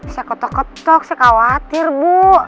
saya kotok ketok saya khawatir bu